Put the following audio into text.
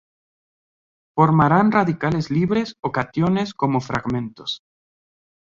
Formarán radicales libres o cationes como fragmentos.